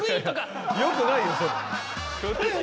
良くないよそれ。